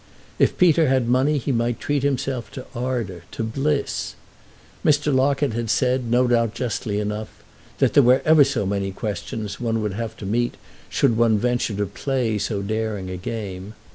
If Peter had money he might treat himself to ardour, to bliss. Mr. Locket had said, no doubt justly enough, that there were ever so many questions one would have to meet should one venture to play so daring a game.